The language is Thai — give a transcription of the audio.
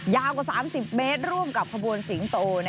ยาวกว่า๓๐เมตรร่วมกับขบวนสิงโต